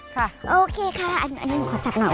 ค่ะโอเคค่ะอันนี้หนูขอจับหน่อย